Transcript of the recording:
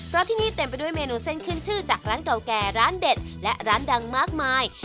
เพราะที่นี่เต็มไปด้วยเมนูเส้นขึ้นชื่อจากร้านเก่าแก่ร้านเด็ดและร้านดังมากมาย